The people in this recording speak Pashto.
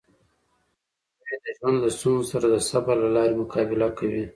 سړی د ژوند له ستونزو سره د صبر له لارې مقابله کوي